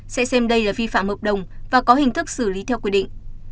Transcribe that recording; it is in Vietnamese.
sẽ xem đây là vi phạm hợp đồng và có hình thức xử lý theo quy định